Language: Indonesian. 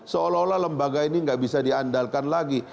seolah olah lembaga ini tidak bisa diandalkan lagi